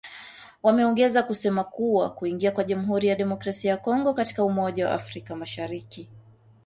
Wameongeza kusema kuwa kuingia kwa Jamuhuri ya Demokrasia ya Kongo katika umoja wa afrika mashariki